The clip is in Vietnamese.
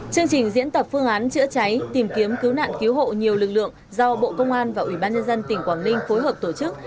chương trình diễn tập phương án chữa cháy tìm kiếm cứu nạn cứu hộ nhiều lực lượng do bộ công an và ubnd tỉnh quảng ninh phối hợp tổ chức